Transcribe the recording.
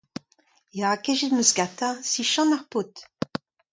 Ya, kejet 'm eus gantañ : sichant ar paotr !